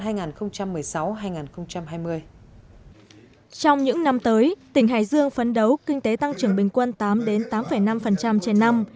trong những năm tới tỉnh hải dương phấn đấu kinh tế tăng trưởng bình quân tám tám năm trên năm